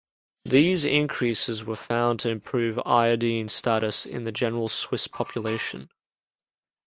These increases were found to improve iodine status in the general Swiss population.